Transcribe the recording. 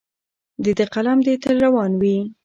د ده قلم دې تل روان وي.